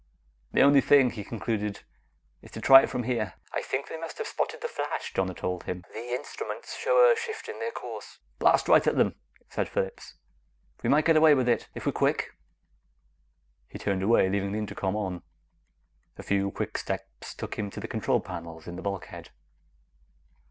"The only thing," he concluded, "is to try it from here." "I think they must have spotted the flash," Donna told him. "The instruments show a shift in their course." "Blast right at them!" said Phillips. "We might get away with it if we're quick." He turned away, leaving the intercom on. A few quick steps took him to the control panels in the bulkhead.